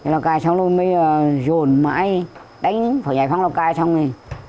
lào cai xong rồi mới dồn mãi đánh phải giải phóng lào cai xong rồi